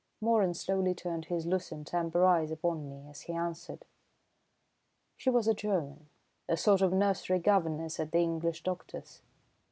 Moeran slowly turned his lucent, amber eyes upon me as he answered. "She was a German, a sort of nursery governess at the English doctor's.